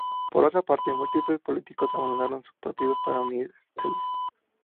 Por otra parte, múltiples políticos abandonaron sus partidos para unírsele.